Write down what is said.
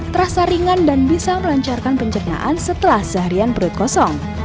terasa ringan dan bisa melancarkan pencernaan setelah seharian perut kosong